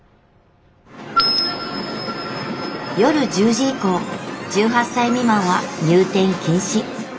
夜１０時以降１８歳未満は入店禁止。